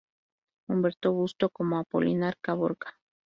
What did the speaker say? Humberto Busto como Apolinar Caborca.